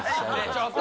ちょっと！